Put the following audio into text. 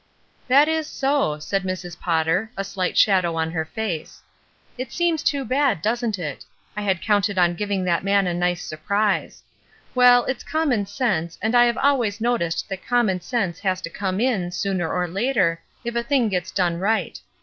''That is so," said Mrs. Potter, a slight shadow on her face. "It seems too bad, doesn't it? I had counted on giving that man a nice sur prise. Well, it's common sense, and I've always noticed that common sense has to come in, sooner or later, if a thing gets done right.